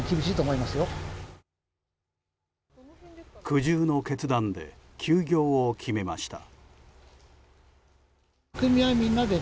苦渋の決断で休業を決めました。